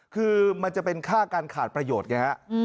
คือมันจะเป็นค่าการขาดประโยชน์ไงฮะ